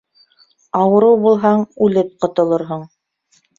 Ауырыу булһаң, үлеп ҡотолорһоң.